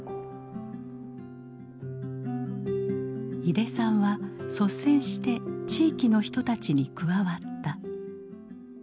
井手さんは率先して地域の人たちに加わった。